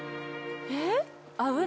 えっ？